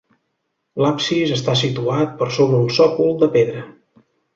L'absis està situat sobre un sòcol de pedra.